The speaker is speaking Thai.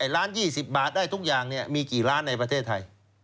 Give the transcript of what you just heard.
ร้านยี่สิบบาทได้ทุกอย่างเนี้ยมีกี่ล้านในประเทศไทย